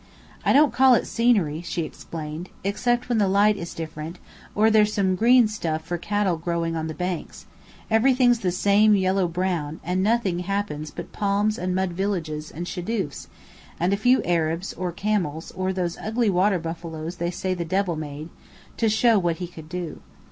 "I don't call it scenery," she explained. "Except when the light is different, or there's some green stuff for cattle growing on the banks, everything's the same yellow brown; and nothing happens but palms and mud villages, and shadoofs, and a few Arabs, or camels, or those ugly water buffaloes they say the devil made, to show what he could do.